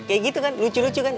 kayak gitu kan lucu lucu kan